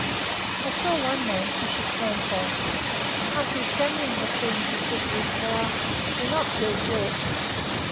I saw one man fish his pants out; after examining the seams, he said to his pal: "They're not dead yet."